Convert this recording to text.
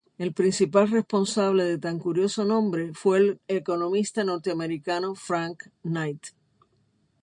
El principal responsable de tan curioso nombre fue el economista norteamericano Frank Knight.